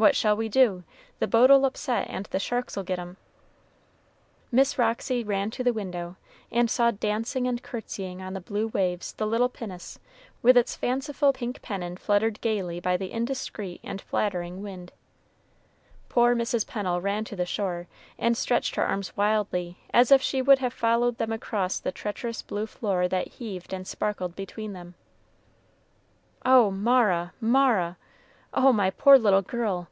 What shall we do? The boat'll upset, and the sharks'll get 'em." Miss Roxy ran to the window, and saw dancing and courtesying on the blue waves the little pinnace, with its fanciful pink pennon fluttered gayly by the indiscreet and flattering wind. Poor Mrs. Pennel ran to the shore, and stretched her arms wildly, as if she would have followed them across the treacherous blue floor that heaved and sparkled between them. "Oh, Mara, Mara! Oh, my poor little girl!